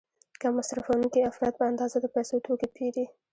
کم مصرفوونکي افراد په اندازه د پیسو توکي پیري.